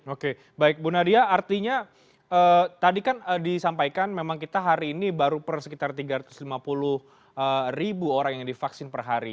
oke baik bu nadia artinya tadi kan disampaikan memang kita hari ini baru per sekitar tiga ratus lima puluh ribu orang yang divaksin per hari